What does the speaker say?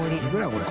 これ。